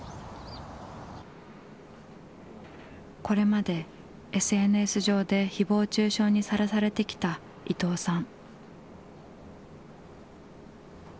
これまでＳＮＳ上でひぼう中傷にさらされてきた伊藤さん。